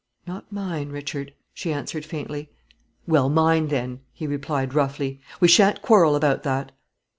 "Not mine, Richard," she answered faintly. "Well, mine, then," he replied, roughly; "we shan't quarrel about that."